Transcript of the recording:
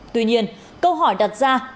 tuy nhiên câu hỏi đặt ra